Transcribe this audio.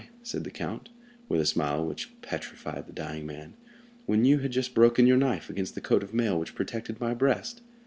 said the count, with a smile which petrified the dying man, "when you had just broken your knife against the coat of mail which protected my breast!